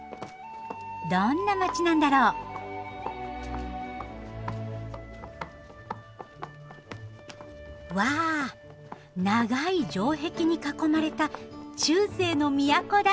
どんな街なんだろう？わ長い城壁に囲まれた中世の都だ！